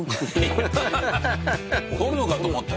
取るのかと思った。